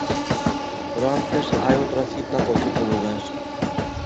Pero antes hai outra cita co equipo lugués.